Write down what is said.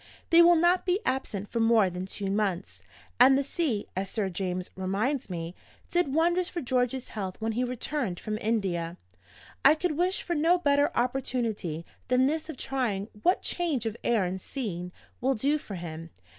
They will not be absent for more than two months; and the sea (as Sir James reminds me) did wonders for George's health when he returned from India. I could wish for no better opportunity than this of trying what change of air and scene will do for him.